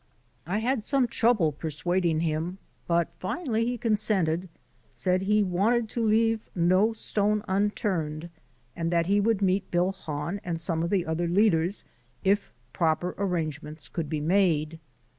I had some trouble persuading him, but finally he consented, said he wanted to leave no stone unturned, and that he would meet Bill Hahn and some of the other leaders, if proper arrangements could be made.